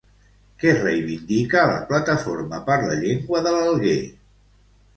Què reivindica la Plataforma per la Llengua de l'Alguer?